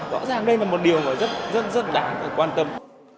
rõ ràng đây là một điều rất đáng quan tâm